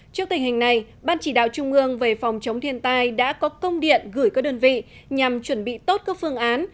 trước tình hình này ban chỉ đạo trung ương về phòng chống thiên tai đã có công điện gửi các đơn vị nhằm chuẩn bị tốt các phương án